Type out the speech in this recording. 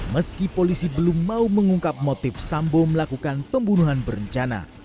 meski polisi belum mau mengungkap motif sambo melakukan pembunuhan berencana